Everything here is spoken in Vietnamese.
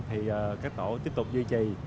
thì các tổ tiếp tục duy trì